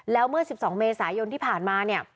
แล้วเมื่อ๑๒เมษายนที่ผ่านมาเนี่ย